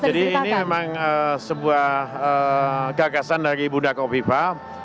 jadi ini memang sebuah gagasan dari bunda kopipa